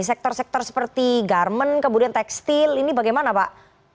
sektor sektor seperti garmen kemudian tekstil ini bagaimana pak